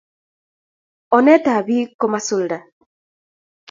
Onet ab pik ko masulda